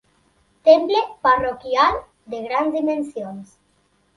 Temple parroquial de grans dimensions.